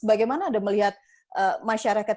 bagaimana anda melihat masyarakat